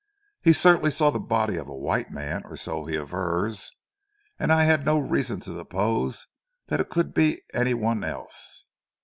"He certainly saw the body of a white man, or so he avers, and I had no reason to suppose that it could be any one else!"